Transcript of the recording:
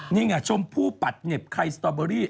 นี่ไงชมพู่ปัดเหน็บไข่สตอเบอรี่